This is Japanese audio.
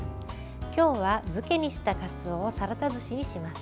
今日は漬けにしたかつおをサラダずしにします。